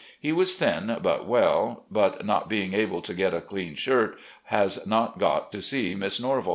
He was thin but well, but, not being able to get a clean shirt, has not got to see Miss Norvell.